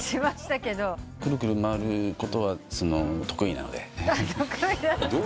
くるくる回ることは得意なので。